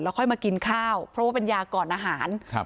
ค่อยมากินข้าวเพราะว่าเป็นยาก่อนอาหารครับ